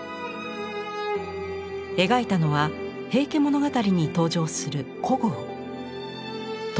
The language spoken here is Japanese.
描いたのは平家物語に登場する小督。